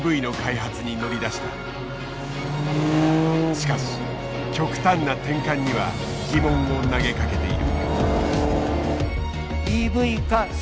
しかし極端な転換には疑問を投げかけている。